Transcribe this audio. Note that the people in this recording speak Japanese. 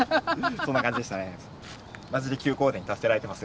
そんな感じでしたね。